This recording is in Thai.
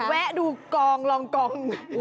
แวะดูกองลองกอง